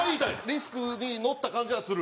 リスクにのった感じはする。